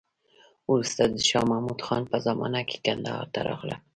وروسته د شا محمود خان په زمانه کې کندهار ته راغله.